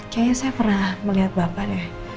kayaknya saya pernah melihat bapak ya